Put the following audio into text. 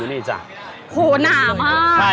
อุปกรณ์ที่ใช้เสื้อผ้าก็นำเข้าหมด